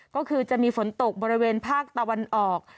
ก็คือจะมีฝนตกบริเวณภาคตะวันออก